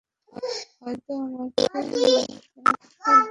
হয়তো তোমাকে মানুষ বানাতে পারব।